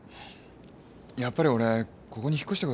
やっぱり俺ここに引っ越してこようか？